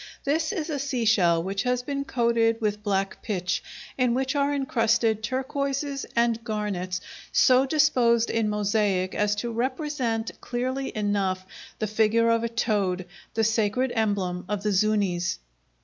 This is a seashell which has been coated with black pitch, in which are encrusted turquoises and garnets so disposed in mosaic as to represent clearly enough the figure of a toad, the sacred emblem of the Zuñis.